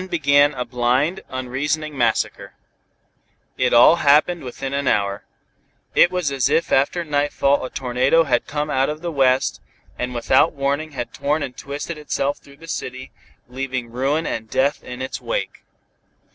Then began a blind, unreasoning massacre. It all happened within an hour. It was as if after nightfall a tornado had come out of the west, and without warning had torn and twisted itself through the city, leaving ruin and death in its wake.